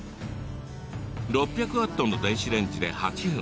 ６００ワットの電子レンジで８分。